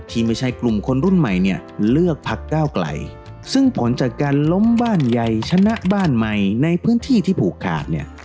ที่ไม่ใช่กลุ่มคนรุ่นใหม่เนี่ยเลือกพักก้าวไกลซึ่งผลจากการล้มบ้านใหญ่ชนะบ้านใหม่ในพื้นที่ที่ผูกขาดเนี่ย